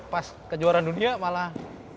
pas kejuaraan dunia malah